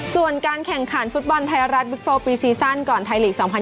ส่วนการแข่งขันฟุตบอลไทยรัฐบิ๊กโฟลปีซีซั่นก่อนไทยลีก๒๐